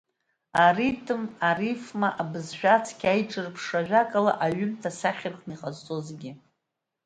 Аритм, арифма, абызшәа, цқьа, аиҿырԥшра ажәакала, аҩымҭа сахьаркны иҟазҵо зегьы.